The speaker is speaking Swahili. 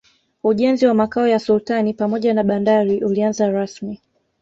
ujenzi wa makao ya sultani pamoja na bandari ulianza rasmi